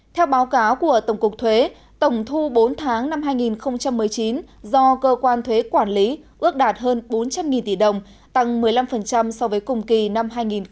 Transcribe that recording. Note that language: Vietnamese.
theo báo cáo của tổng cục thuế tổng thu bốn tháng năm hai nghìn một mươi chín do cơ quan thuế quản lý ước đạt hơn bốn trăm linh tỷ đồng tăng một mươi năm so với cùng kỳ năm hai nghìn một mươi tám